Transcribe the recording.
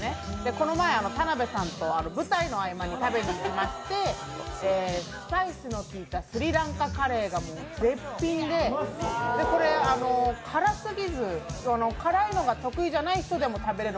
この前、田辺さんと舞台の合間に食べに行きまして、スパイスのきいたスリランカカレーが絶品で、これ、辛すぎず、辛いのが得意じゃない人も食べれる